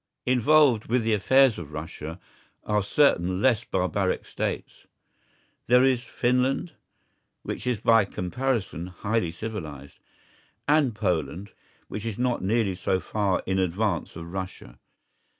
Involved with the affairs of Russia are certain less barbaric States. There is Finland, which is by comparison highly civilised, and Poland, which is not nearly so far in advance of Russia.